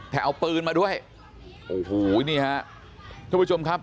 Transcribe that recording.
แต่เอาปืนมาด้วยโอ้โหนี่ฮะทุกผู้ชมครับ